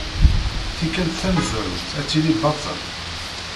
Tikelt tamezwarut ad tili baṭel.